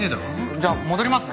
じゃあ戻りますね。